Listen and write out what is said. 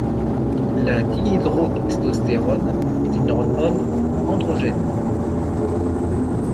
La dihydrotestostérone est une hormone androgène.